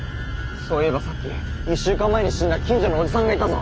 そういえばさっき１週間前に死んだ近所のおじさんがいたぞ。